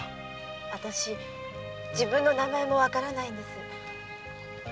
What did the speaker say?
あたし自分の名前もわからないんです。